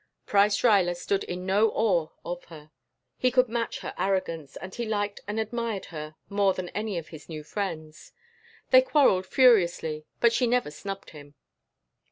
Price Ruyler stood in no awe of her. He could match her arrogance, and he liked and admired her more than any of his new friends. They quarreled furiously but she had never snubbed him.